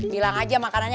bilang saja makanannya